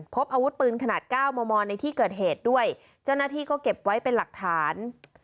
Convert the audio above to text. พบอาวุธปืนขนาด๙มมในที่เกิดเหตุด้วยเจ้าหน้าที่ก็เก็บไว้เป็นหลักฐาน